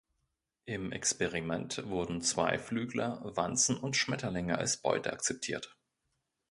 Im Experiment wurden Zweiflügler, Wanzen und Schmetterlinge als Beute akzeptiert.